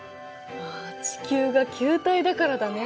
あ地球が球体だからだね。